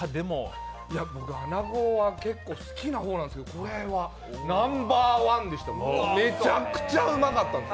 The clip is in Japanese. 僕、穴子は結構好きな方なんですけど、これはナンバーワンでした。めちゃくちゃうまかったんです。